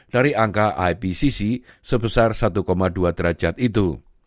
dari angka ipcc sebesar satu dua derajat itu